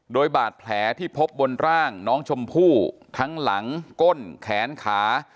โดยบาดแผลที่พบบนร่างน้องชมพู่ทั้งหลังก้นแขนขา